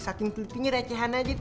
saking telitinya recehan aja tuh